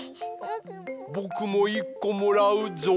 ぼくもいっこもらうぞう。